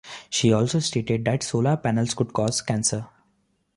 She also stated that solar panels could cause cancer.